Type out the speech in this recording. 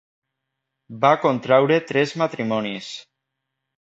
Va contraure tres matrimonis.